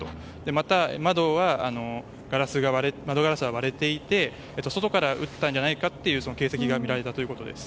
また、窓は窓ガラスが割れていて外から撃ったんじゃないかという形跡がみられたということです。